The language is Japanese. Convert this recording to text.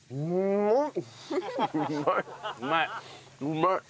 うまい！